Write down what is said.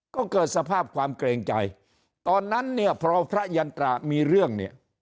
ก็เกิดสภาพความเกรงใจตอนนั้นเนี่ยพอพระยันตรามีเรื่องเนี่ย